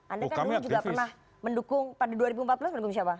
anda kan juga pernah mendukung pada dua ribu empat belas mendukung siapa